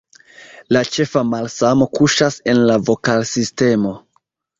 La ĉefa malsamo kuŝas en la vokalsistemo.